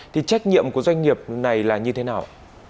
thì trách nhiệm của doanh nghiệp này là như thế nào